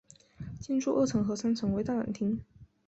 建筑二层和三层为大展厅。